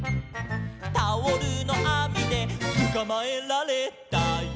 「タオルのあみでつかまえられたよ」